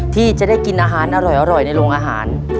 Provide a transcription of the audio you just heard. ที่จะได้กินอาหารอร่อยในโรงอาหาร